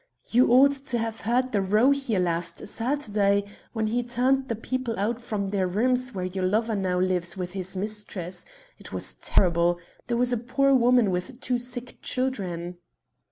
You ought to have heard the row here last Saturday when he turned the people out from their rooms where your lover now lives with his mistress. It was terrible. There was a poor woman with two sick children."